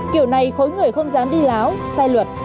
kiểu này khối người không dám đi láo sai luật